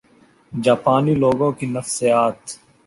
جاپانی لوگوں کی نفسیات